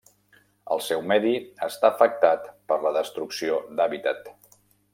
El seu medi està afectat per la destrucció d'hàbitat.